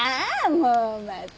もうまた！